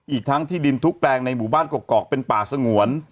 อีกทั้งที่ดินทุกแปลงในหมู่บ้านกกอกเป็นป่าสงวน